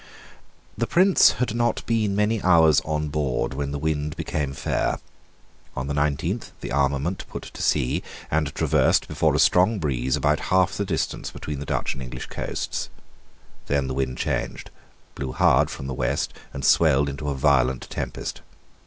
The Prince had not been many hours on board when the wind became fair. On the nineteenth the armament put to sea, and traversed, before a strong breeze, about half the distance between the Dutch and English coasts. Then the wind changed, blew hard from the west, and swelled into a violent tempest.